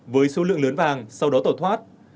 với số lượng lớn vàng sau đó tổ thoát